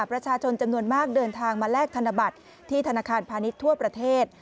ประชาชนจำนวนมากเดินทางมาแลกธนบัตรที่ธนาคารพาณิชย์ทั่วประเทศ